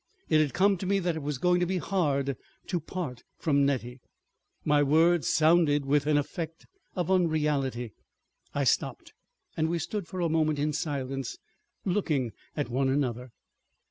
It had come to me that it was going to be hard to part from Nettie. My words sounded with an effect of unreality. I stopped, and we stood for a moment in silence looking at one another.